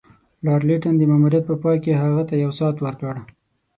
لارډ لیټن د ماموریت په پای کې هغه ته یو ساعت ورکړ.